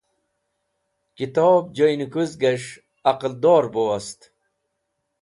Kitob joynẽ kuzges̃h aqẽldor bẽ wost.